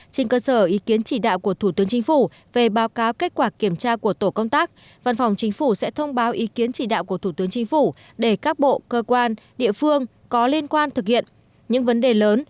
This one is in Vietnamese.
trên cơ sở ý kiến chỉ đạo của thủ tướng chính phủ về báo cáo kết quả kiểm tra của tổ công tác văn phòng chính phủ sẽ thông báo ý kiến chỉ đạo của thủ tướng chính phủ để các bộ cơ quan địa phương có liên quan thực hiện